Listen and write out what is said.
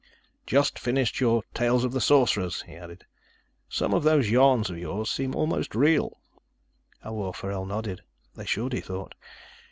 "Just finished your 'Tales of the Sorcerers,'" he added. "Some of those yarns of yours seem almost real." Elwar Forell nodded. They should, he thought.